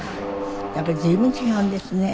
やっぱり随分違うんですね。